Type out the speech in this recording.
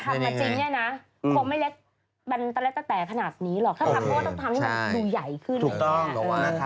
โตแล้ว